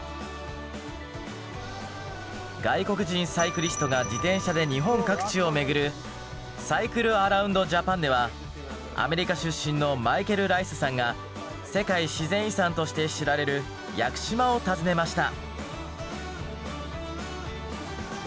外国人サイクリストが自転車で日本各地を巡るアメリカ出身のマイケル・ライスさんが世界自然遺産として知られる屋久島を訪ねました。